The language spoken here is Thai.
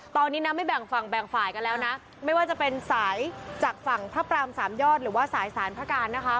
ตอนนี้นะไม่แบ่งฝั่งแบ่งฝ่ายกันแล้วนะไม่ว่าจะเป็นสายจากฝั่งพระปรามสามยอดหรือว่าสายสารพระการนะคะ